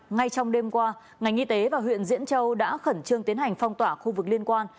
ngay trong đêm qua ngành y tế và huyện diễn châu đã khẩn trương tiến hành phong tỏa khu vực liên quan